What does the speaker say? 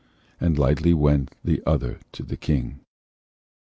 And lightly went the other to the King.